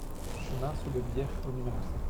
Chemin sous le Bief au numéro sept